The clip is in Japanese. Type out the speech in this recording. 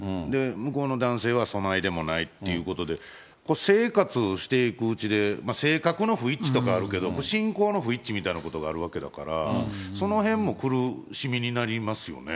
向こうの男性はそないでもないということで、これ、生活していくうちで、性格の不一致とかあるけど、信仰の不一致みたいなことがあるわけだから、そのへんも苦しみになりますよね。